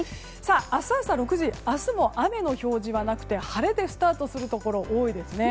明日朝６時明日も雨の表示はなくて晴れでスタートするところが多いですね。